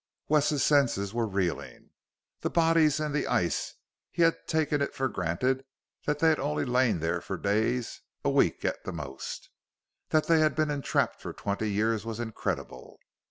Wes's senses were reeling. The bodies in the ice he had taken it for granted they had only lain there for days; a week at most. That they had been entrapped for twenty years was incredible.